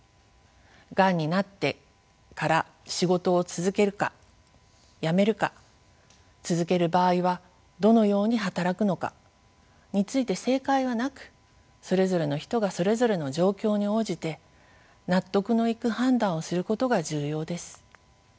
がんになってから仕事を続けるか辞めるか続ける場合はどのように働くのかについて正解はなくそれぞれの人がそれぞれの状況に応じて納得のいく判断をすることが重要です。